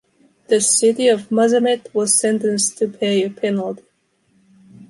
The city of Mazamet was sentenced to pay a penalty.